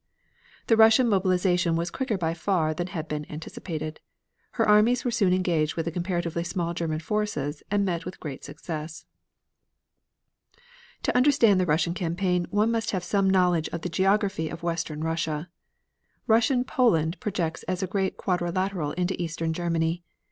The Russian mobilization was quicker by far than had been anticipated. Her armies were soon engaged with the comparatively small German forces, and met with great success. To understand the Russian campaign one must have some knowledge of the geography of western Russia. Russian Poland projects as a great quadrilateral into eastern Germany.